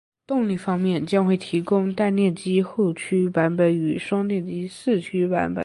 动力方面，将会提供单电机后驱版本与双电机四驱版本